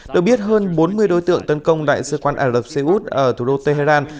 được biết hơn bốn mươi đối tượng tấn công đại sứ quan ả rập xê út ở thủ đô tehran